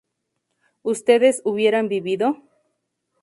¿ustedes hubieran vivido?